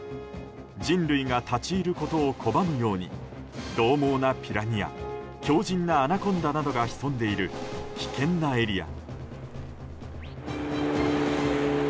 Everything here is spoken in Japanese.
人類が立ち入ることを拒むように獰猛なピラニア強靭なアナコンダなどが潜んでいる危険なエリア。